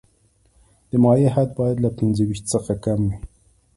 د مایع حد باید له پنځه ویشت څخه کم وي